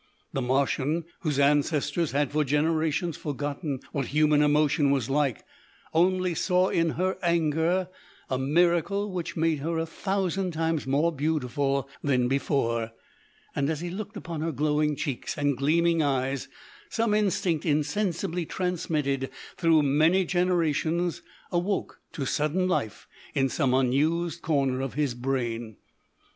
The Martian, whose ancestors had for generations forgotten what human emotion was like, only saw in her anger a miracle which made her a thousand times more beautiful than before, and as he looked upon her glowing cheeks and gleaming eyes some instinct insensibly transmitted through many generations awoke to sudden life in some unused corner of his brain.